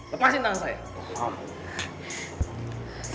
lepaskan tangan saya